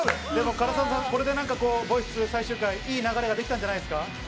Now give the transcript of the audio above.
唐沢さん、『ボイス２』最終回、いい流れができたんじゃないですか？